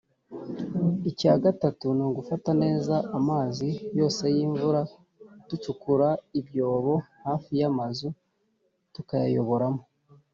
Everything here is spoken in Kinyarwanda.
icya gatatu ni ugufata neza amazi yose y’imvura ducukura ibyobo hafi y’amazu tukayayoboramo